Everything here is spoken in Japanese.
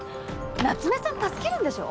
夏目さん助けるんでしょ？